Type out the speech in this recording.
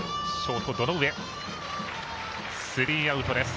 スリーアウトです。